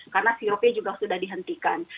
karena sirupnya juga sudah dihentikan